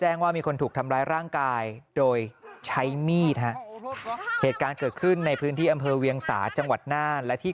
เหตุการณ์เกิดขึ้นในพื้นที่อำเภอเวียงสาจังหวัดน่าและที่